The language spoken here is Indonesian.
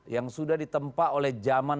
yang sudah ditempa oleh zaman